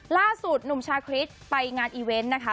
ล่าสุดหนุ่มชาคริสไปงานอีเวนต์นะคะ